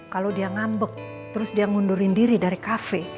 kalau dia ngambek terus dia ngundurin diri dari kafe